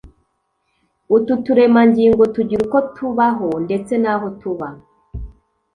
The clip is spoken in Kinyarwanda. Utu turemangingo tugira uko tubaho ndetse n'aho tuba.